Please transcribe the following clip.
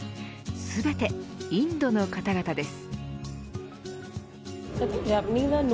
全てインドの方々です。